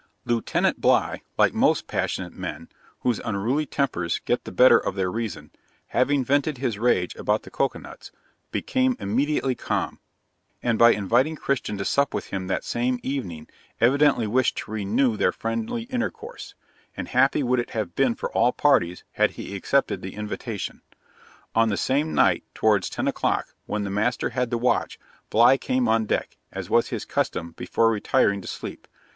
Lieutenant Bligh, like most passionate men, whose unruly tempers get the better of their reason, having vented his rage about the cocoa nuts, became immediately calm, and by inviting Christian to sup with him the same evening, evidently wished to renew their friendly intercourse; and happy would it have been for all parties had he accepted the invitation. On the same night, towards ten o'clock, when the master had the watch, Bligh came on deck, as was his custom, before retiring to sleep.